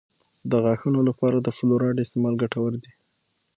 د غاښونو لپاره د فلورایډ استعمال ګټور دی.